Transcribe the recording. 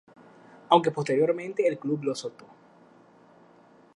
Aunque posteriormente el club lo soltó.